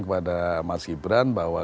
kepada mas gibran bahwa